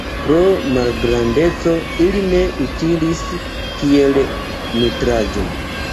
Pro malgrandeco ili ne utilis kiel nutraĵo.